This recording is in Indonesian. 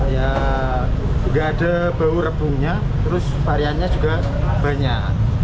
ya nggak ada bau rebungnya terus variannya juga banyak